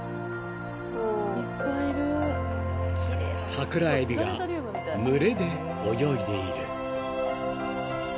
［サクラエビが群れで泳いでいる］